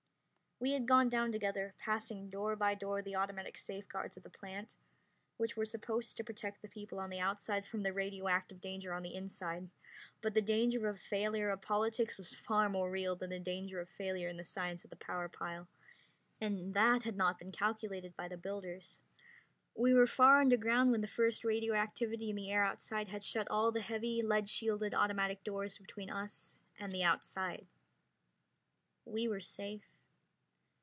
We had gone down together, passing door by door the automatic safeguards of the plant, which were supposed to protect the people on the outside from the radioactive danger from the inside but the danger of a failure of politics was far more real than the danger of failure in the science of the power pile, and that had not been calculated by the builders. We were far underground when the first radioactivity in the air outside had shut all the heavy, lead shielded automatic doors between us and the outside. We were safe.